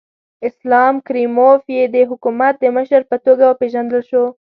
اسلام کریموف یې د حکومت د مشر په توګه وپېژندل شو.